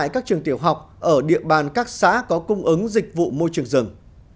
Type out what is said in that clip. các trường tiểu học ở địa bàn các xã có cung ứng dịch vụ môi trường rừng